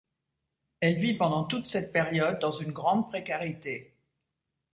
Elle vit pendant toute cette période dans une grande précarité.